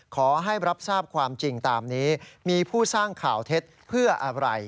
ขอให้รับทราบความจริงตามนี้มีผู้สร้างข่าวเท็จเพื่ออะไร